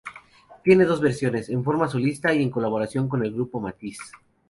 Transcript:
Tiene dos versiones, en forma solista y en colaboración con el grupo Matisse.